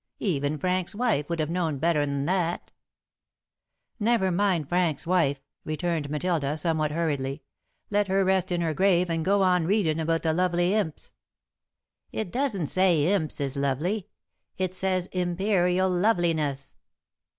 Even Frank's wife would have known better'n that." [Sidenote: Cleopatra] "Never mind Frank's wife," returned Matilda, somewhat hurriedly. "Let her rest in her grave and go on readin' about the lovely imps." "It doesn't say imps is lovely. It says 'imperial loveliness.'"